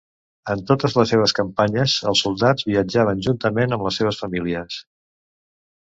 En totes les seves campanyes, els soldats viatjaven juntament amb les seves famílies.